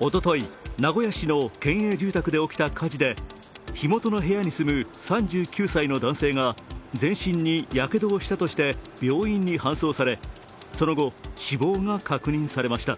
おととい名古屋市の県営住宅で起きた火事で火元の部屋に住む３９歳の男性が前身にやけどをしたとして病院に搬送されその後、死亡が確認されました。